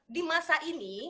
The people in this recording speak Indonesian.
di masa ini